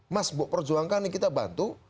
mas buk perjuangkan nih kita bantu